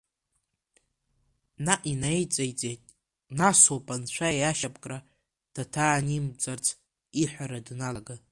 Наҟ инаиҵеиҵеит, насоуп анцәа иашьапкра, даҭанаимҵарц иҳәара даналага.